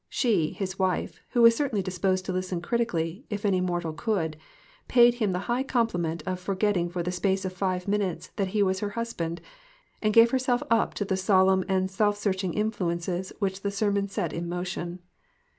She, his wife, who was certainly disposed to listen critically, if any mor tal could, paid him the high compliment of forget ting for the space of five minutes that he was her husband, and gave herself up to the solemn and self searching influences which the sermon set in motion.